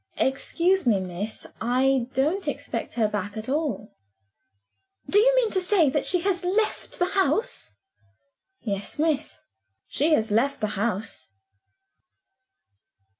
"Excuse me, miss I don't expect her back at all." "Do you mean to say that she has left the house?" "Yes, miss. She has left the house."